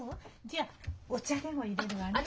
じゃあお茶でもいれるわね。